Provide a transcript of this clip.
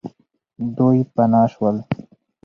دوی پنا سول.